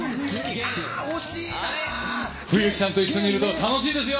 冬樹さんと一緒にいると楽しいですよ。